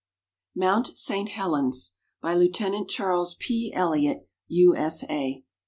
MOUNT ST. HELENS By Lieut. Chaeles P. Elliott, U. S. A.